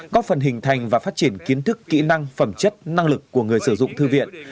góp phần hình thành và phát triển kiến thức kỹ năng phẩm chất năng lực của người sử dụng thư viện